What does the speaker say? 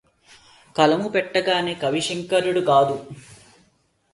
కలము పట్టగానె కవిశేఖరుడు గాడు